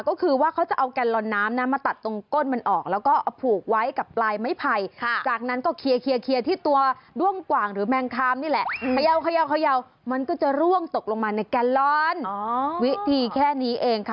ก็คือเขาจะเอาแกลอนน้ำมาตัดตรงก้นมันออก